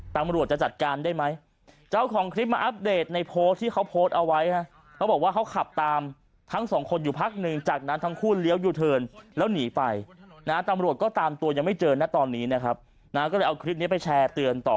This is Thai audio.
ตำรวจจะจัดการได้ไหมจะเอาของคลิปมาอัปเดตในโพสต์